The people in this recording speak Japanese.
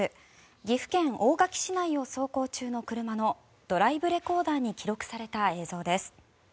岐阜県大垣市内を走行中の車のドライブレコーダーに記録された映像です。